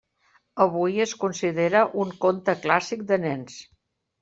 Avui es considera un conte clàssic de nens.